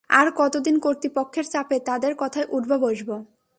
আর কতদিন কর্তৃপক্ষের চাপে তাদের কথায় উঠবো-বসবো?